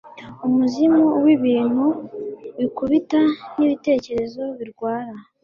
Umuzimu wibintu bikubita nibitekerezo birwara